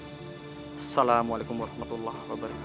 assalamualaikum warahmatullah wabarakatuh